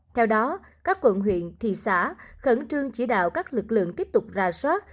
theo đó các quận huyện thị xã khẩn trương chỉ đạo các lực lượng tiếp tục ra soát